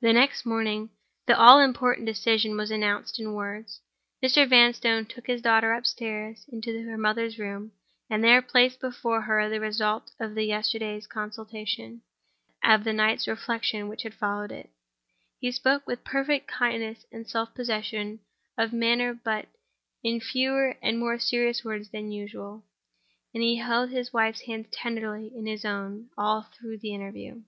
The next morning the all important decision was announced in words. Mr. Vanstone took his daughter upstairs into her mother's room, and there placed before her the result of the yesterday's consultation, and of the night's reflection which had followed it. He spoke with perfect kindness and self possession of manner—but in fewer and more serious words than usual; and he held his wife's hand tenderly in his own all through the interview.